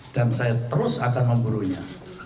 dan saya terus akan memburunya